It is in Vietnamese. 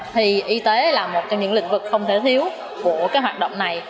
thì y tế là một trong những lĩnh vực không thể thiếu của cái hoạt động này